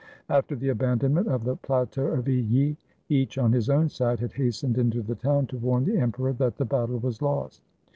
After the abandonment of the plateau of Illy, each, on his own side, had hastened into the town to warn the emperor that the battle was lost.